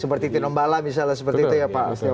seperti tino mbala misalnya